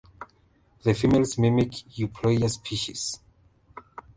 The females mimic "Euploea" species.